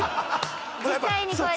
実際にこうやって。